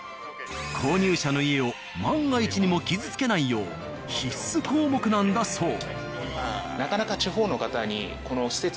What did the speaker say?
購入者の家を万が一にも傷つけないよう必須項目なんだそう。